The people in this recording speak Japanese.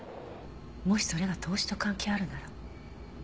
もしそれが凍死と関係あるなら。